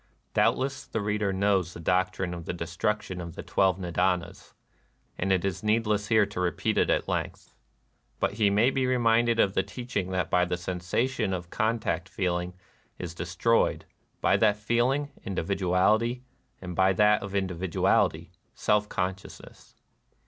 Doubtless the reader knows the doctrine of the destruction of the twelve Nida nas ; and it is needless here to repeat it at length. But he may be reminded of the teach ing that by the cessation of contact feeling is 218 NIRVANA destroyed ; by that of feeling, individuality ; and by that of individuality, self conscious ness.